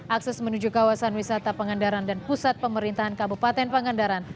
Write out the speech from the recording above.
akses menuju kawasan wisata pangandaran dan pusat pemerintahan kabupaten pangandaran